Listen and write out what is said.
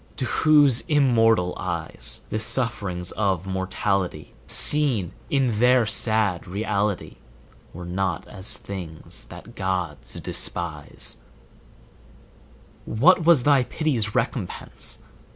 to whose immortal eyes The sufferings of mortality, Seen in their sad reality, Were not as things that gods despise; What was thy pity's recompense?